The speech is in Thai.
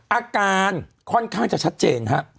อาการค่อนข้างจะชัดเจนฮะ